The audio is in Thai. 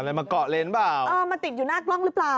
มาเกาะเลนเปล่าเออมาติดอยู่หน้ากล้องหรือเปล่า